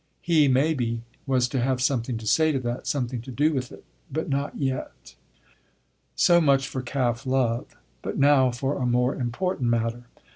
He, maybe, was to have something to say to that, something to do with it but not yet. So much for calf love; but now for a more important matter.